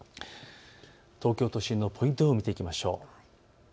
東京都心のポイント予報を見ていきましょう。